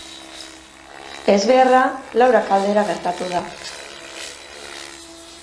Ezbeharra laurak aldera gertatu da.